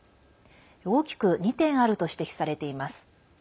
大きく２点あると指摘されています。